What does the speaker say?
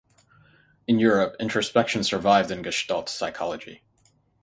In Europe introspection survived in Gestalt psychology.